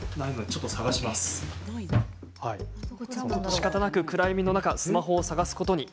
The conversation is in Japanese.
しかたなく暗闇の中スマホを捜すことに。